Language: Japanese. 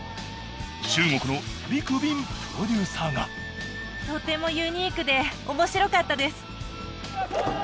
中国のリク・ビンプロデューサーがとてもユニークで面白かったです。